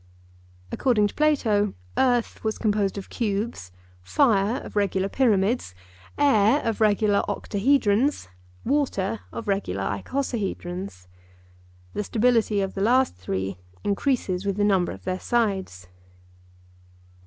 According to Plato earth was composed of cubes, fire of regular pyramids, air of regular octahedrons, water of regular icosahedrons. The stability of the last three increases with the number of their sides.